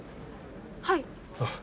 はい。